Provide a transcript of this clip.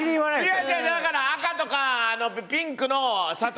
違う違うだから赤とかピンクの砂糖のお菓子。